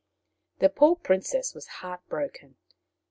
The poor princess was heartbroken.